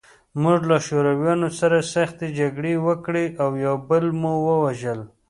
موږ له شورویانو سره سختې جګړې وکړې او یو بل مو وژل